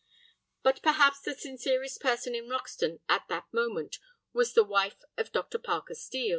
But perhaps the sincerest person in Roxton at that moment was the wife of Dr. Parker Steel.